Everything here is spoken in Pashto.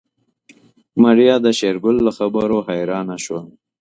ماريا د شېرګل له خبرو حيرانه شوه.